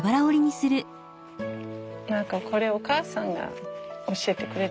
何かこれお母さんが教えてくれたけど。